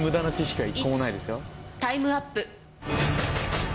タイムアップ